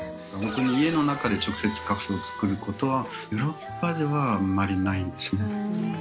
家の中に直接カフェを作る事はヨーロッパではあんまりないですね。